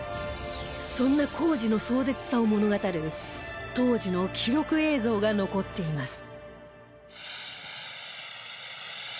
そんな工事の壮絶さを物語る当時の記録映像が残っています